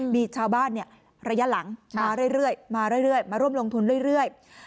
มีชาวบ้านระยะหลังมาเรื่อยมาเรื่อยมาร่วมลงทุนเรื่อย